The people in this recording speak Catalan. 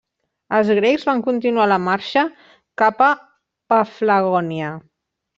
Els grecs van continuar la marxa cap a Paflagònia.